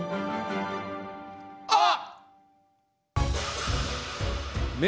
あっ！